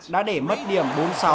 đã để mất điểm bốn sáu